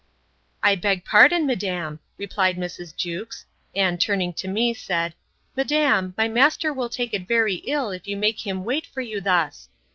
I beg pardon, madam, replied Mrs. Jewkes; and, turning to me, said, Madam, my master will take it very ill if you make him wait for you thus.